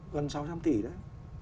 gần sáu trăm linh tỷ đấy